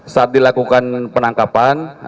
saat dilakukan penangkapan